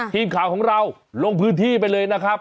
ทีมข่าวของเราลงพื้นที่ไปเลยนะครับ